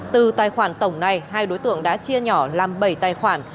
từ tài khoản tổng này hai đối tượng đã chia nhỏ làm bảy tài khoản